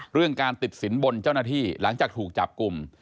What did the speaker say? เรื่องการติดสินบนเจ้าหน้าที่หลังจากถูกจับกลุ่ม